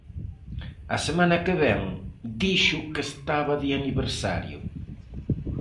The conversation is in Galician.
A semana que vén dixo que estaba de aniversario.